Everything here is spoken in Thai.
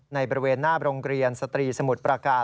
บริเวณหน้าโรงเรียนสตรีสมุทรประการ